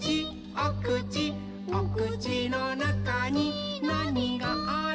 おくちおくちのなかになにがある？」